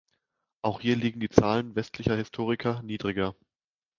Auch hier liegen die Zahlen westlicher Historiker niedriger.